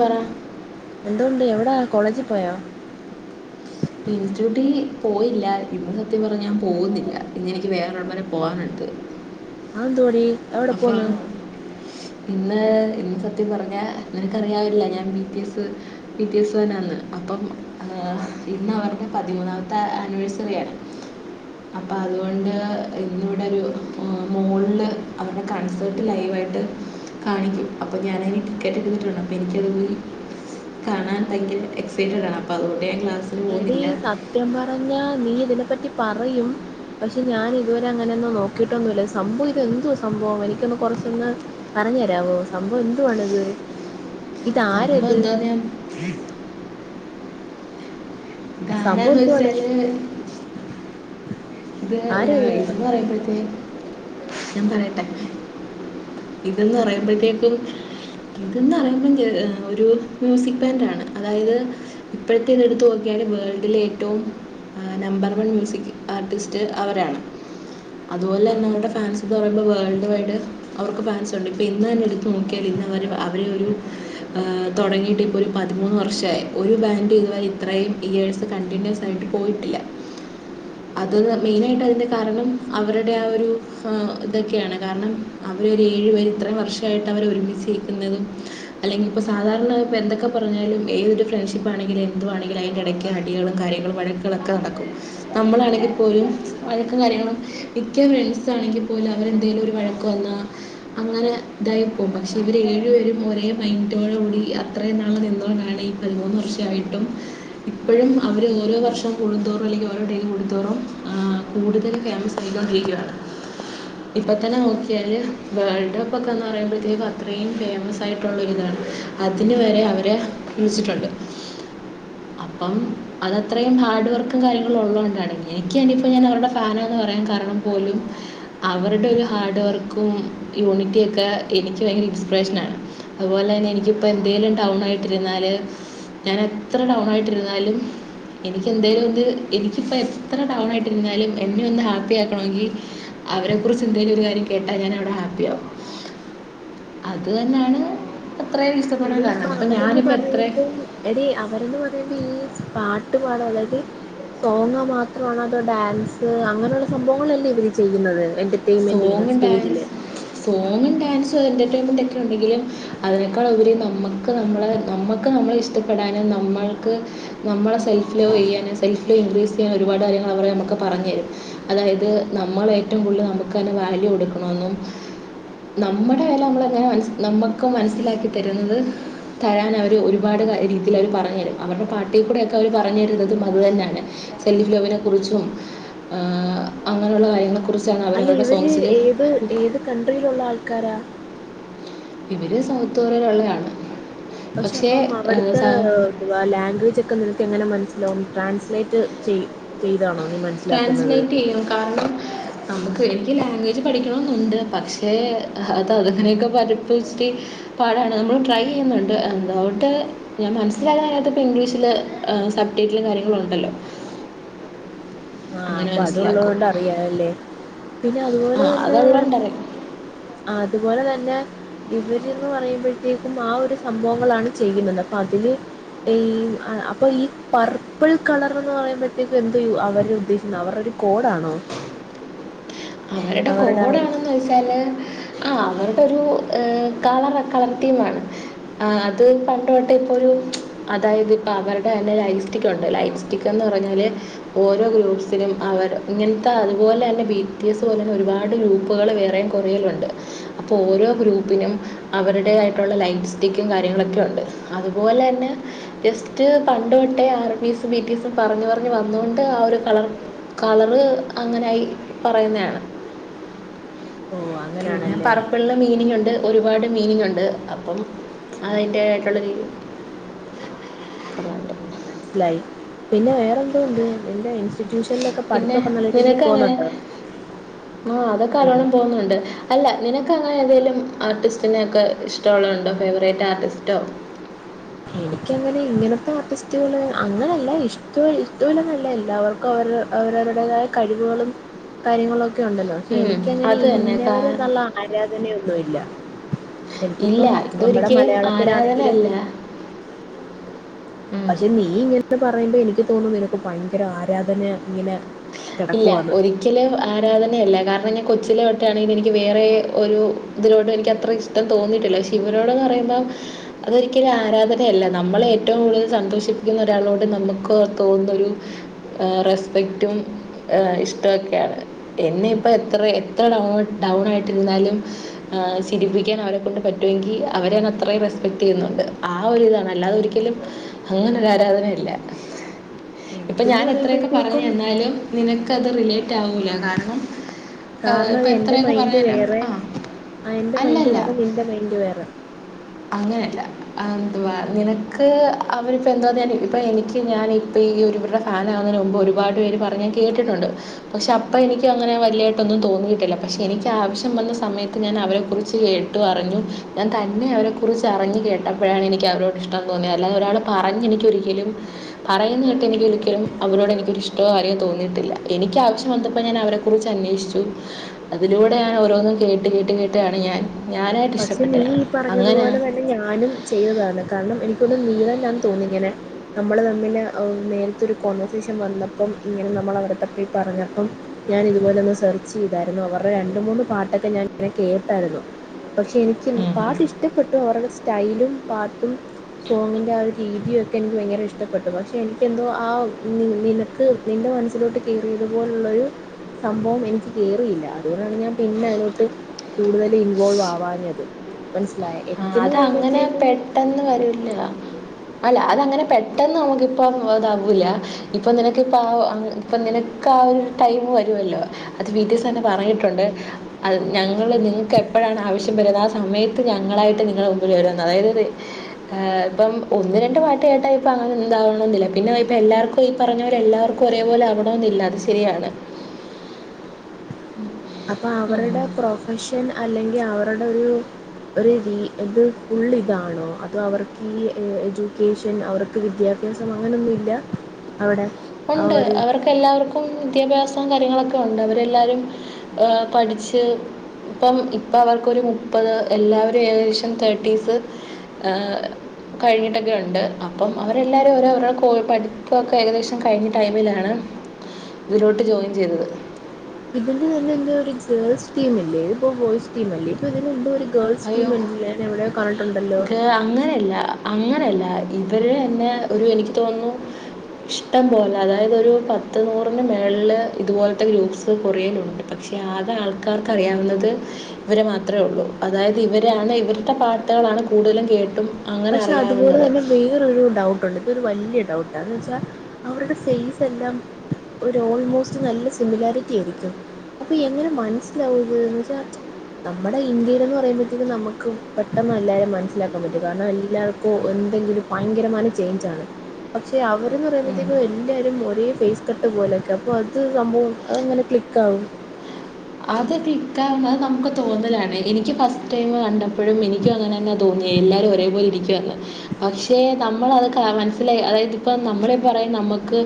പറ എന്തുണ്ട് എവിടാ കോളേജിൽ പോയോ ഇനിസ്റ്റിറ്റ്യൂട്ടി പോയില്ല ഇന്ന് സത്യം പറഞ്ഞ ഞാൻ പോകുന്നില്ല ഇന്ന് എനിക്ക് വേറൊരടം വരെ പോകാനുണ്ട് അതെന്തുവാടി എവിടെ പോന്ന് അഫാം ഇന്ന് ഇന്ന് സത്യം പറഞ്ഞ നിനക്കറിയാവല്ലൊ ഞാൻ B P S B P S തനന്ന് അപ്പം ഇന്ന് അവരുടെ പതിമൂന്നാമത്തെ ആനിവേഴ്സറിയാണ് അപ്പൊ അതുകൊണ്ട് ഇന്നിവിടെരു മോളില് അവരുടെ കൺസൽട്ട് ലൈവായിട്ട് കാണിക്കും അപ്പോ ഞാനതിന് ടിക്കറ്റെടുത്തിട്ടുണ്ട് അപ്പോൾ എനിക്കതൊന്ന് കാണാൻ ഭയങ്കര എക്സൈറ്റഡ് ആണ് അപ്പോ അതുകൊണ്ട് ഞാൻ ക്ലാസ് എടീ സത്യം പറഞ്ഞാ നീ ഇതിനെ പറ്റി പറയും പക്ഷെ ഞാൻ ഇതുവരെ അങ്ങനെയൊന്നും നോക്കിട്ടൊന്നുല്ല സംഭവ ഇത് എന്തുവാ സംഭവം എനിക്കൊന്ന് കൊറച്ചൊന്ന് പറഞ്ഞു തരാവോ സംഭവം എന്തുവാണിത് ഇതാരാ സംഭവം ഇത് എന്ദോന്നെ സംഭവം താരാന്ന് എന്തുവാണ് വച്ചാല് ഇത് ആരാ ഇത് ഇതിന്നു പറയുമ്പത്തേ ഞാൻ പറയട്ടെ ഇത്‌ന്ന് പറയുമ്പോഴത്തേക്കും ഇതന്ന്പറയുമ്പ ഒരു മ്യൂസിക് ബാൻഡാണ് അതായത് ഇപ്പോഴത്തെ ഇത് എടുത്തു നോക്കിയാല് വേൾഡിലെ ഏറ്റവും നമ്പർ വൺ മ്യൂസിക് ആർട്ടിസ്റ്റ് ത്ത് അവരാണ് അതുപോലെ ഉം തന്നെ ഫാൻ ഇതാവുമ്പം വേൾഡ് വൈഡ് അവർക്ക് ഫാൻസ്ണ്ട് ഇന്ന്ന്നെ എടുത്തു നോക്കിയാൽ ഇന്ന അവർ അവർ ഒരു തൊടങ്ങിയിട്ട് ഇപ്പോൾ ഒരു പതിമൂന്ന് വർഷായി ഒരു ബാൻഡ് ഇതുവരെ ഇത്രയും ഇയേഴ്സ് കണ്ടിന്യൂസ് ആായിട്ട് പോയിട്ടില്ല അത് [unintelligible] ത് മെയിനായിട്ട് അതിൻ്റെ കാരണം അവരുടെ ആ ഒരു [inaudible] ഇതൊക്കെയാണ് കാരണം അവരുടെ ഏഴു പേർ ഇത്രയും വർഷായിട്ട് അവർ ഒരുമിച്ച്ക്കുന്നതും അല്ലെങ്കിൽ ഇപ്പോ സാധാരണ ഇപ്പോൾ എന്തൊക്കെ പറഞ്ഞാലും ഏതൊരു ഫ്രണ്ട്ഷിപ്പ്ണെങ്കില് എന്തുവാണെങ്കിലും അതിൻ്റെ ഇടയ്ക്ക് അടികളും കാര്യങ്ങളും വഴക്കുകളൊക്കെ നടക്കും നമ്മളാണെങ്കിൽ പോലും വഴക്കും കാര്യങ്ങളും മിക്ക ഫ്രണ്ട്സാണെങ്കിൽ പോലും അവരെന്തേങ്കലും ഒരു വഴക്ക് വന്നാ അങ്ങനെ ഇതായി പോകും പക്ഷേ ഇവർ ഏഴു പേരും ഒരേ മൈൻറ്റോടെ കൂടി അത്രയും നാള് നിന്നോനാളെയ് ഈ പതിമൂന്ന് വർഷമായിട്ടും ഇപ്പോഴും അവർ ഓരോ വർഷം കടുതോറും അല്ലെങ്കിൽ ഓരോ ഡീൽ കടുത്തോറും ആ കൂടുതൽ ഫേമസ് ആയിണ്ടിരിക്കയാണ് ഇപ്പ തന്നെ നോക്കിയാല് വേൾഡ് കപ്പ ഒക്കെന്ന് പറയുമ്പോഴത്തേക്കും അത്രയും ഫേമസ് ആയിട്ടുള്ളൊരിതാണ് അതിന് വരെ അവരെ [unintelligible] വി തിച്ചിട്ടുണ്ട് അപ്പം അതത്രയും ഹാർഡ് വർക്കും കാര്യങ്ങള ഉള്ളോണ്ടാണേ ക്കെനിപ്പ് അവരുടെ ഫാനാെന്ന് പറയാൻ കാരണം പോലും അവരുടെ ഒരു ഹാർഡ് വർക്കും യൂണിറ്റെയൊക്കെ എനിക്ക് ഭയങ്കര ഡിസ്പ്രേറഷനാണ് അതുപോലെ തന്നെ എനിക്കിപ്പം എന്തേലും ഡൗൺ ആയിട്ടിരുന്നാൽ ഞാൻ എത്ര ഡൗണ ആായിട്ടിരുന്നാലും എനിക്ക എന്തേലും ഇത് എനിക്കിപ്പോം എത്ര ഡൗണ് ആയിട്ടിരുന്നാലും എന്നെ ഒന്ന് ഹാപ്പി ആക്കണമെങ്കിൽ അവരെ കുറിച്ച് എന്തേലൊരു കാര്യം കേട്ടാൽ ഞാൻ അവിടെ ഹാപ്പി ആകും അത് തന്നെയാണ് അത്രയും ഇഷ്ടപ്പെടാൻ എടീ ഇപ്പൊ കാരണം ഇപ്പം അവരൊന്ന് ഞാനിപ്പോൾ എത്ര പറയണ്ടേ എടീ അവരൊന്ന് പറയുമ്പോ ഈ സ്പാട്ട് പാടാ അതായത് സോങ്ങ് മാത്രമാണോ അതോ ഡാൻസ് അങ്ങനെയുള്ള സംഭവങ്ങളല്ലേ ഇവര് ചെയ്യുന്നത് എന്റ പൈമന്റിങ്ങനെ സോങ്ങും ഡാൻസ് സ്റ്റേജില് സോങ്ങും ഡാൻസും എന്റെ ർടൈൻമെൻറ് [unintelligible] ക്കെ തെറ്റുണ്ടെങ്കിലും അതിനേക്കാൾ ഉപരി നമക്ക് നമ്മളെ നമ്മക്ക് നമ്മളെ ഇഷ്ടപ്പെടാനും നമ്മൾക്ക് നമ്മളെ സെൽഫ് ലോ യ്യാനും സെൽഫ് ലോ ഇൻക്രീസ് ചെയ്യാൻ ഒരുപാട് കാര്യങ്ങൾ അവർ നമുക്ക് പറഞ്ഞു തരും അതായത് നമ്മൾ ഏറ്റവും കൂടുതൽ ന ക്കണ വാല്യു കൊടുക്കണം ന്നും [unintelligible] നമ്മുടെ വെല നമ്മളങ്ങനെ നമുക്ക് മനസ്സിലാക്കി തരുന്നത് തരാൻ അവര് ഒരുപാട് കര രീതിൽ അവർ പറഞ്ഞു തരും അവരുടെ പാട്ടിൽ കൂടെക്കെ അവർ പറഞ്ഞു തരുന്നത് അത് തന്നെയാണ് സെല്ലി ലോവിനെ കുറിച്ചും ഹ് അങ്ങനെയുള്ള കാര്യങ്ങളെ കുറിച്ച ച്ചാണ് അവരകൾ ത് ഏത് ഏത് കൺണ്ട്രിയിലുള്ള ആൾക്കാരാ ഇവര് സൗത്ത്‌ കൊറിയൊള്ളയാണ് പക്ഷെ അപ്പം അവിട്ത്തെ വ ലാംഗ്വേജ് ഒക്കെ നിനക്ക് എങ്ങനെ മനസ് ലോൺ ട്രാൻസ്ലേറ്റ് ചെയ് ചെയ് ട്രാൻസ്ലേറ്റ് ചെയ്യും കാരണം നമുക്ക് എനിക്ക് ലാംഗ്വേജ് പഠിക്കണെമെന്നുണ്ട് പക്ഷേ അത് അതങ്ങനെയൊക്കെ പ [unintelligible] ച്ച് പാടാണ് നമ്മള് ട്രൈ ചെയ്യുന്നുണ്ട് അതോണ്ട് ഞാൻ മനസ്സിലാൻകയ്യാത്തത് പ്പം ഇംഗ്ലീഷില് സർ [unintelligible] സ പ്ലേറ്റിലും കാര്യങ്ങളും ഉണ്ടല്ലോ ആഹ് അങ്ങനെ അപ്പൊ മനസ്സിലാക്കും അതുള്ളൊണ്ട് അറിയാല്ലേ പിന്നെ അതുപോലെ ആ തന്നെ അതുള്ളതുകൊണ്ടറിയാം ആത് അതുപോലെ തന്നെ ഇവര്ന്ന് പറയുമ്പോഴത്തേക്കും ആ ഒരു സംഭവങ്ങളാണ് ചെയ്യുന്നത് അപ്പൊ അതില് ഈ അപ്പൊ ഈ പർപ്പിൾ കളർ എന്ന് പറയുമ്പോഴത്തേക്കും എന്ന് അവര് ഉദ്ദേശ ന്നവറടി കോടാണോ അവരുടെ കോഡാണെന്ന് വെച്ചാല് ആ അവരുടെ ഒരു ഹ്കളറ് കളർ ടീമാണ് അത് പണ്ട് തൊട്ടെ ഇപ്പ ഒരു അതായത് ഇപ്പോ അവരുടെ തന്നെ ലൈഫ് സ്റ്റിക്ക് ഉണ്ട് ലൈഫ് സ്റ്റിക്ക്ന്ന് പറഞ്ഞാല് ഓരോ ഗ്രൂഫ്സിലും അവർ ഇങ്ങനത്തെ അതുപോലെ തന്നെ ബീ ഫീസ്പോലുള്ള ഒരുപാട് ഗ്രൂപ്പുകൾ വേറെയും കുറയിലുണ്ട് അപ്പോൾ ഓരോ ഗ്രൂപ്പിനും അവരുടേതായിട്ടുള്ള ലൈഫ് സ്റ്റിക്കും കാര്യങ്ങളൊക്കെ ഉണ്ട് അതുപോലെ തന്നെ ജസ്റ്റ് പണ്ട് തൊട്ടേ R P S B T എസും പറഞ്ഞ് പറഞ്ഞ് വന്നുകൊണ്ട് ആ ഒരു കളർ കളറ് അങ്ങനെ ആയി പറയുന്നയാണ് ഓ പിന്നെ അങ്ങനെയാണല്ലേ പറപ്പിള് മീനിങ് ഉണ്ട് ഒരുപാട് മീനിങ് ഉണ്ട് അപ് പ്പം അതിന്റെയിട്ടുള്ള രീ ഉം മനസ്സിലായി പിന്നെ വേറെന്തോ ഉണ്ട് എന്താ ഇൻസ്റ്റ പിന്നെ നിനക്ക് അങ്ങനെ ആ അതൊക്കെ എനി അറിയണം തോന്നുന്നുണ്ട് അല്ല നിന ക്ക്‌ അങ്ങനെ ഏതേലും ആർട്ടിസ്റ്റിനെൊക്കെ ഇഷ്ടമുള്ളണ്ടോ ഫേവറേറ്റ് ആർട്ടിസ്റ്റോ എനിക്കങ്ങനെ ഇങ്ങനത്തെ ആർട്ടിസ്റ്റുകള് അങ്ങനല്ല ഇഷ്ട്വ ഇഷ്ട്വല്ലന്നല്ല എല്ലാവർക്കും അവ അവരവരുടേതായ കഴിവുകളും കാര്യങ്ങളൊ ഉണ്ടല്ലോ പക്ഷെ എനിക്കങ്ങനെ അത് തന്നെ കാ ഇന്നവരെ എന്നുള്ള ആരാധനൊന്നുല്ല ഇല്ല എനിക്കിപ്പം നമ്മുടെ ഇതൊരിക്കലും ആരാധന മലയാളത്തിലാണെങ്കിലും അല്ല പക്ഷെ നീ ഇങ്ങനെ പറയുമ്പോ എനിക്ക് തോന്നുന്നു നിനക്ക് ഭയങ്കര ആരാധനയാ ഇല്ല ഒരിക്കലും ആരാധനയല്ല കാര് അ ഞ കൊച്ചിലെ തൊട്ട് ആണെങ്കിലും എനിക്ക് വേറെ ഒരു ഇതിലോടും എനിക്ക് അത്ര ഇഷ്ടം തോന്നിയിട്ടില്ല പക്ഷെ ഇവരോട്ന്ന് പറയുമ്പം അതൊരിക്കലും ആരാധനയല്ല നമ്മള് ഏറ്റവും കൂടുതൽ സന്തോഷിപ്പിക്കുന്ന ഒരാളോട് നമുക്ക് തോന്നുന്നൊരു ആ റെസ്പെക്ട് റ്റവും ഇഷ്ടമൊക്കെയാണ് എന്നെ ഇപ്പോൾ എത്ര എത്ര ഡൗൺ ഡൗണായിട്ടിരുന്നാലും ആ ചിരിപ്പിക്കാൻ അവരെ കൊണ്ട് പറ്റുമെങ്കിൽ അവരെ അത്രയും റെസ്പെക്ട് ചെയ്യുന്നുണ്ട് ആ ഒരിതാണ് അല്ലാതെ ഒരിക്കലും അങ്ങനൊ ഒരു ആരാധനയല്ല ഇപ്പം എനിക്കെന്ന് ഞാൻ എത്രയൊക്കെ പറഞ്ഞ് പറയുമ്പോഴത്തേക്കും എന്നാലും നിനക്കത് റിലേ കാരണം ഇപ്പം എന്റെ എത്രയൊക്കെ മൈനൻഡ് പറഞ്ഞാലും വേറെ ആ ഐന്റെ മൈൻഡ് വേറെ നിന്റെ മൈൻഡ് വേറെ അങ്ങനെല്ല ആ എന്തുവാ നിനക്ക് അവരിപ്പ എന്താ [unintelligible] ഇപ്പൊ എനിക്ക് ഞാൻ ഇപ്പ ഈ ഒരു ഇവരുടെ ഫാനകുന്നന് മുമ്പ് ഒരുപാട് പേര് പറഞ്ഞ് ഞൻ കേട്ടിട്ടുണ്ട് പക്ഷെ അപ്പ എനിക്ക് അങ്ങനെ വല്ല്യായിട്ടൊന്നും തോന്നിയിട്ടില്ല പക്ഷെ എനിക്ക് ആവശ്യം വന്ന സമയത്ത് ഞാൻ അവരെ കുറിച്ച് കേട്ടു അറിഞ്ഞു ഞിൻ തന്നേ കുറിച്ച് അറിഞ്ഞു കേട്ടപ്പോഴാണ് എനിക്ക് അവരോട് ഇഷ്ടം തോന്നിയെ അല്ലാതെ ഒരാൾ പറഞ്ഞ് എനിക്കൊരിക്കലും പറയുന്നേട്ട് എനിക്കൊരിക്കലും അവരോട് എനിക്കൊരിഷ്ട്ടോ കാര്യോ തോന്നീട്ടില്ല എനിക്കാവശ്യം വന്നപ്പോ ഞാൻ അവരെക്കുറിച്ച് അന്വേഷിച്ചു അതിലൂടെ ഞാൻ ഓരോന്ന് കേട്ട് കേട്ട് കേട്ടാണ് ഞാൻ ഞാനായിട്ട് ഇഷ്ടപ്പെട്ടതാണ് അങ്ങനെ ന്നെ ഞാനും ചെയ്തതാണ് കാരണം എനിക്കൊന്ന് നീ തന്നാന്ന് തോന്നു ഞാന് നമ്മള് തമ്മില് ഓ നേരത്തെ ഒരു കോൺവെർസേഷൻ വന്നപ്പം ഇങ്ങനെ നമ്മള് അവരെ പറ്റി പറഞ്ഞപ്പം ഞാനിത്പോലൊന്ന് സെർച്ചെയ്താരുന്നു അവർടെ രണ്ട് മൂന്ന് പാട്ടൊക്കെ ഞാൻ കേട്ടാരുന്നു പക്ഷേ എനിക്ക് ഉം. പാട്ട് ഇഷ്ടപ്പെട്ടു അവരുടെ സ്റ്റൈലും പാട്ടും സോങ്ങിൻ്റെ ആ ഒരു രീതിയൊക്കെ എനിക്ക് ഭയങ്കര ഇഷ്ടപ്പെട്ടു പക്ഷേ എനിക്കെന്തോ ആ നിനക്ക് നിൻ്റെ മനസ്സിലോട്ട് കേറിയതുപോലുള്ളൊരു സംഭവം എനിക്ക് കയറിയില്ല അതുകൊണ്ടാണ് ഞാൻ പിന്നെ അതിലോട്ട് കൂടുതൽ ഇൻവോൾവ് ആ വാഞ്ഞത് മൻസി ആ അതങ്ങനെ പെട്ടെന്ന് വരുല്ല അല്ല അതങ്ങനെ പെ ട്ടെന്ന് നമുക്കിപ്പം അതാവൂല്ല ഇപ്പം നിനക്കിപ്പം ആ ഇപ്പം നിനക്ക് ആ ഒരു ടൈം വരുവല്ലോ അത് ബി ടി എസ് തന്നെ പറഞ്ഞിട്ടുണ്ട് അത് ഞങ്ങൾ നിങ്ങക്ക് എപ്പഴാണ് ആവശ്യം വരുന്നാ സമയത്ത് ഞ ങ്ങളായി ട്ട് നിങ്ങളെ മുമ്പിൽ വരുന്ന് അതായത് ഏ പ്പം ഒന്ന് രണ്ട് പാട്ട് കേട്ടാ ഇപ്പ അങ്ങനൊന്നും ഇതാവണംന്നില്ല പിന്നെ ഇപ്പ എല്ലാവർക്കും ഈ പറഞ്ഞ പോലെ എല്ലാവർക്കും ഒരേപോലെ ആവണന്നില്ല അത് ശെരിയാണ് അപ്പൊ അവരുടെ പ്രൊഫഷൻ അല്ലെങ്കിൽ അവരുടെ ഒരു ഒരു രീ ഒരു ഇത് ഫുൾ ഇതാണോ അതോ അവർക്ക് ഈ എഡ്യൂക്കേഷൻ അവർക്ക് വിദ്യാഭ്യാസം അങ്ങനൊന്നു ല്ല ഉണ്ട് അവർക്കെല്ലാവർക്കും വിദ്യാഭ്യാസ സം കാര്യങ്ങളൊക്കെ ഉണ്ട് അവരെല്ലാരും പഠിച്ച് ഇപ്പം ഇപ്പം അവർക്കൊരു മുപ്പത് എല്ലാവരും ഏകദേശം തേർട്ടീസ് ഏ കഴിഞ്ഞട്ടൊക്കെ ഒണ്ട് അപ്പം അവരെല്ലാരും ഓരോരോ കൊ പടി പ്പൊക്കെ ഏകദേശം കഴിഞ്ഞ ടൈമിലാണ് ഇതിലോട്ട് ജോയിൻ ചെയ്തത്. ഇതിന്റെ തന്നെ എന്തോ ഒരു ഗേൾസ് ടീം ല്ലേ ഇതിപ്പ ബോയ്സ് ടീമല്ലേ ഇപ്പൊ ഇതിനെന്തോര് അയ്യോ കെ അങ്ങനെയല്ല അങ്ങനല്ല ഇവർ ന്നെ ഒരു എനിക്ക് തോന്നുന്നു ഇഷ്ടം പോലെ അതായത് ഒരു പത്ത് നൂറിന് മേളിൽ ഇതുപോലത്തെ ഗ്രൂപ്പ്സ് കൊറിയേലുണ്ട് പക്ഷേ അകെ ആൾക്കാർക്ക് അറിയാവുന്നത് ഇവരെ മാത്രമേ ഒള്ളൂ അതായത് ഇവരെയാണ് ഇവരുടെ പാട്ടുകളാണ് കൂടുതലും കേട്ടും അങ്ങനെ പക്ഷെ അതുപോലെ അറിയാവുന്നത് തന്നെ വേറൊരു ഡൗട്ടുണ്ട് ഒരു വല്ല്യ ഡൗട്ടാന്ന് വെച്ചാ അവരുടെ ഫേസ് എല്ലാം ഒരു ഓരോൾമോസ്റ്റ് നല്ല സിമിലാരിറ്റി അയിരിക്കും അപ്പൊ എങ്ങനെ മൻസ്സിലാവുന്ന് എന്ന് വച്ചാ നമ്മുടെ ഇന്ത്യേലെന്ന് പറയുമ്പോത്തേനും നമ്മുക്ക് പെട്ടെന്ന് എല്ലാരേം മനസ്സിലാക്കാൻ പറ്റും കാരണം എല്ലാവർക്കും എന്തെങ്കിലും ഭയങ്കരമാന ചേഞ്ച് ആണ് പക്ഷെ അവര്ന്നറയുമ്പോത്തേക്കും എല്ലാരും ഒരേ ഫേസ് കട്ട് പോലൊക്കെ അപ്പൊ അത് സംഭവം അതെങ്ങനെ ക്ലിക്കാവും അത് ക്ലിക്കാവുന്ന അഹ് നമുക്ക് തോന്നലാണ് എനിക്ക് ഫസ്റ്റ് ടൈം കണ്ട പ്പഴും എനിക്കുങ്ങനെന്ന തോന്നിയേ എല്ലാരും ഒരേപോലിരിക്കുവാന്ന്. പക്ഷെ നമ്മൾ അതൊക്കെ അ മനസ്സിലായി അതായത് ഇപ്പോ നമ്മളെ പറയും നമ്മക്ക്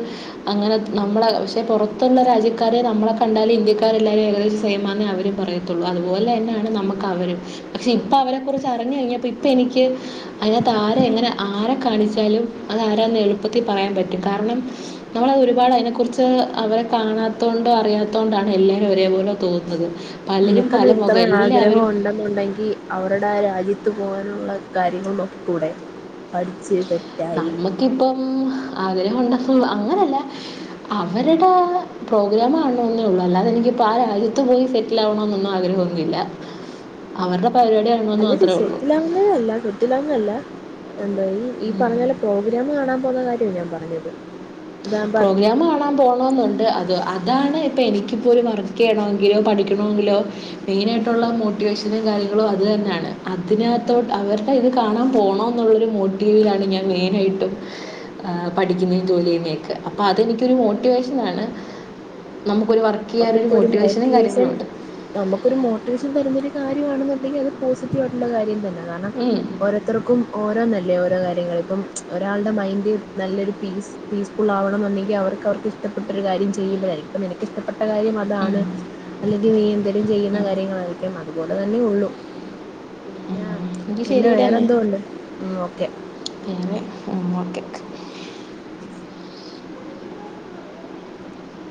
അങ്ങനെ നമ്മളെ പക്ഷെ പൊറത്തുള്ള രാജ്യക്കാരെ നമ്മളെ കണ്ടാലും ഇന്ത്യക്കാരെല്ലാരും ഏകദേശ സെയ്മാന്നെ അവര് പറയത്തുള്ളൂ അതുപോലെന്നെയാണ് നമ്മക്ക് അവരും, പക്ഷെ ഇപ്പ അവരെ കുറിച്ച് അറിഞ്ഞ് കഴിഞ്ഞപ്പോ ഇപ്പ എനിക്ക് അയ്നകത്ത് ആരെ എങ്ങനെ ആരെ കാണിച്ചാലും അത് ആരാന്ന് എളുപ്പത്തി പറയാൻ പറ്റും കാരണം, നമ്മളത് ഒരുപാട് അതിനെക്കുറിച്ച് അവരെ കാണാത്തോണ്ടും അറിയാത്തോണ്ടാണ് എല്ലാരും ഒരേപോലെ തോന്നുന്നത് പലരും പല നിനക്കെന്ന മുഖം ഇത്ര ആഗ്രഹം എല്ലാവരും ഉണ്ടെന്നുണ്ടെങ്കി അവരുടെ ആ രാജ്യത്ത് പോവാനുള്ള കാര്യങ്ങൾ നോക്കി കൂടെ പഠിച്ച് സെ നമ്മക്കിപ്പം ആഗ്രഹുണ്ട അങ്ങനല്ല അവരുടെ പ്രോഗ്രാം ആണെന്നേള്ളൂ അല്ലാതെ എനിക്കിപ്പം ആ രാജ്യത്ത് പോയി സെറ്റിലാവണനൊന്നും ആഗ്രഹൊന്നു ഇല്ല അവരുടെ പരിപാടി കാണണമെന്ന് അല്ലടി മാത്രമേ ഉള്ളൂ സെറ്റിലാവുന്നതല്ല സെറ്റിലാവുന്നതല്ല എന്താ ഈ ഈ പറഞ്ഞ പോലെ പ്രോഗ്രാം കാണാ പോന്ന കാര്യാ ഞാൻ പറഞ്ഞത് അതാകുമ്പോ പ്രോഗ്രാം കാണാൻ പോണോന്നുണ്ട് അത് അതാണ് ഇപ്പ എനിക്കിപ്പൊരു വർക്ക് ചെയ്യണമെങ്കിലോ പഠിക്കണമെങ്കിലോ മെയിനായിട്ടുള്ള മോട്ടിവേഷനും കാര്യങ്ങളും അത് തന്നാണ്, അതിനകത്തോട്ട് അവരുടെ ഇത് കാണാൻ പൊണോന്നുള്ളൊരു മോട്ടീവിലാണ് ഞാൻ മെയിനായിട്ടും ഏഹ് പഠിക്കുന്നയും ജോലി ചെയ്യുന്നെയൊക്കെ അപ്പൊ അതെനിക്കൊരു മോട്ടിവേഷനാണ് നമുക്കൊരു വർക്ക് ചെയ്യാനൊരു നമുക്കിപ്പൊ ഒരു മോട്ടിവേഷനും മോട്ടിവേഷൻ കാര്യങ്ങളും ഉണ്ട് നമുക്കൊരു മോട്ടിവേഷൻ തരുന്ന ഒരു കാര്യമാണെന്നുണ്ടെങ്കി അത് പോസിറ്റീവായിട്ടുള്ള കാര്യം തന്നെ കാരണം ഓരോത്തർക്കും ഓരോന്ന ല്ലേ ഓരോ കാര്യങ്ങള് ഇപ്പം ഒരാൾടെ മൈൻഡ് നല്ലൊരു പീസ് പീസ്ഫുൾ ആവണന്നുണ്ടെങ്കി അവർക്ക് അവർക്ക് ഇഷ്ടപ്പെട്ടൊരു കാര്യം ചെയ്യുമ്പഴായിരിക്കും ഇപ്പ നിനക്ക് ഇഷ്ടം ഇഷ്ടപ്പെ ട്ട കാര്യം അതാണ് അ നീ എന്തര് ചെയ്യുന്ന കാര്യങ്ങളായിരിക്കും അതുപോലെ തന്നെ ഉള്ളൂ പിന്നെ എങ്കിൽ പിന്നെ ശരിയെടി എന്നാൽ വേറെന്തോ ഉണ്ട് ഉം ഓക്കെ ഉം ഓക്കെ